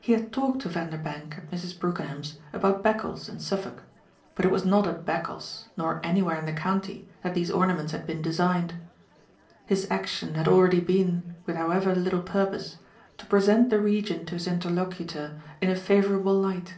He had talked to Vanderbank at Mrs. Brookenham's about Beccles and Suffolk; but it was not at Beccles nor anywhere in the county that these ornaments had been designed. His action had already been, with however little purpose, to present the region to his interlocutor in a favourable light.